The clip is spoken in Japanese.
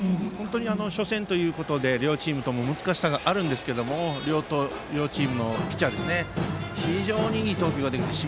初戦ということで両チームとも難しさがあるんですけれども両チームのピッチャー非常にいい投球ができていて